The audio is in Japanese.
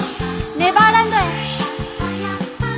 ネバーランドへ。